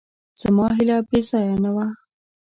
زما هیله بېځایه نه وه.